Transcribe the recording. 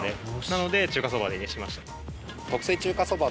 なので中華そばにしました。